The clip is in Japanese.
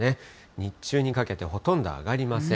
日中にかけてほとんど上がりません。